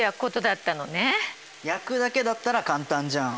焼くだけだったら簡単じゃん。